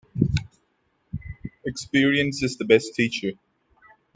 Experience is the best teacher.